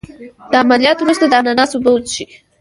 د عملیات وروسته د اناناس اوبه وڅښئ